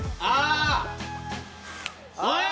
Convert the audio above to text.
ああ！